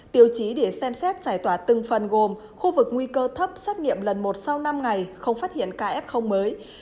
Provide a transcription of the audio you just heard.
tiêu chí để xem xét giải tỏa từng phần gồm khu vực nguy cơ thấp xét nghiệm lần một sau năm ngày không phát hiện ca f mới